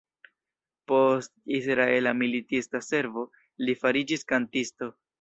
Post Israela militista servo, li fariĝis kantisto.